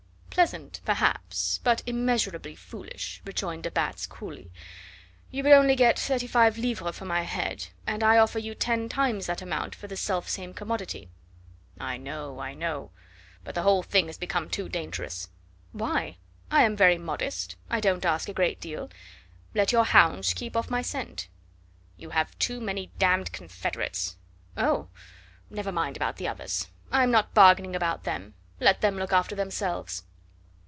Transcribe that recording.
"Pleasant, perhaps, but immeasurably foolish," rejoined de Batz coolly; "you would only get thirty five livres for my head, and I offer you ten times that amount for the self same commodity." "I know, I know; but the whole thing has become too dangerous." "Why? I am very modest. I don't ask a great deal. Let your hounds keep off my scent." "You have too many d d confederates." "Oh! Never mind about the others. I am not bargaining about them. Let them look after themselves."